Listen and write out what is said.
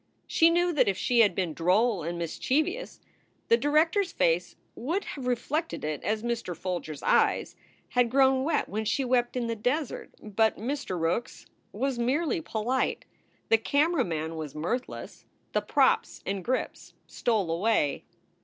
She knew that if she had been droll and mischievous, the director s face would have reflected it as Mr. Folger s eyes had grown wet when she wept in the desert. But Mr. Rookes was merely polite; the camera man was mirthless; the props and grips stole away.